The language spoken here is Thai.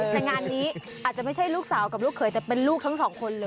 แต่งานนี้อาจจะไม่ใช่ลูกสาวกับลูกเขยแต่เป็นลูกทั้งสองคนเลย